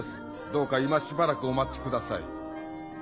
どうか今しばらくお待ちください。